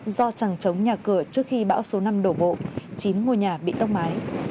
do chẳng chống nhà cửa trước khi bão số năm đổ bộ chín ngôi nhà bị tốc mái